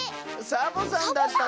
サボさんだったのか。